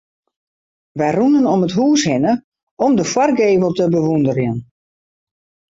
Wy rûnen om it hûs hinne om de foargevel te bewûnderjen.